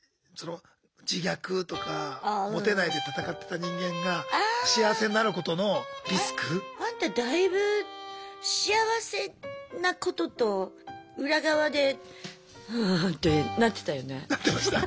自虐とか「モテない」で戦ってた人間が幸せになることのリスク？あんただいぶ幸せなことと裏側でうんってなってたよね。